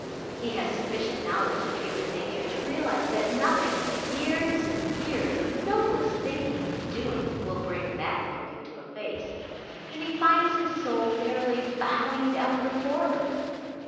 He has sufficient knowledge of human nature to realize that nothing but years and years of noblest thinking and doing will bring that look into a face, and he finds his soul fairly bowing down before her.